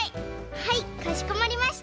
はいかしこまりました。